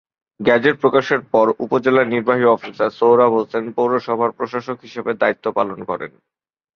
Gazette প্রকাশের পর উপজেলা নির্বাহী অফিসার সোহরাব হোসেন পৌরসভার প্রশাসক হিসেবে দায়িত্ব পালন করেন।